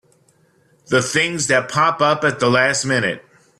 The things that pop up at the last minute!